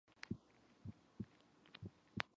Beaches include Sandy Gully, Steppy Beach and Sunnymeade.